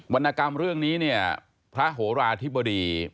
รณกรรมเรื่องนี้เนี่ยพระโหราธิบดี